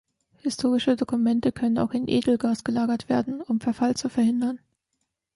Historische Dokumente können auch in Edelgas gelagert werden, um Verfall zu verhindern.